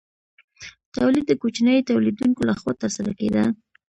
تولید د کوچنیو تولیدونکو لخوا ترسره کیده.